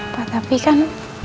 pak tapi kan